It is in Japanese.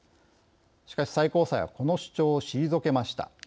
しかし、最高裁はこの主張を退けました。